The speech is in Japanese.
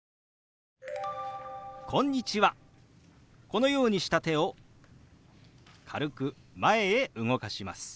このようにした手を軽く前へ動かします。